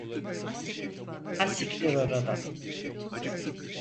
Hassiktir oradan…